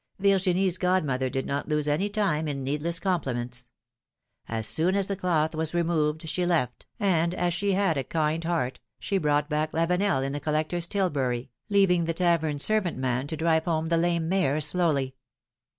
Virginie's godmother did not lose any time in needless compliments. As soon as the cloth was removed she left, and as she had a kind heart, she brought back Lavenel in the collector's tilbury, leaving the tavern servant man to drive home the lame mare slowly.